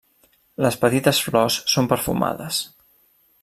Les petites flors són perfumades.